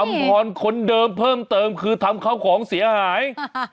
พรคนเดิมเพิ่มเติมคือทำเข้าของเสียหาย